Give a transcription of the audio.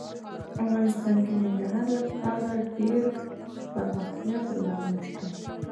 افغانستان کې د ننګرهار لپاره دپرمختیا پروګرامونه شته.